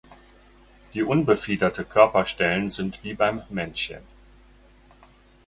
Die unbefiederte Körperstellen sind wie beim Männchen.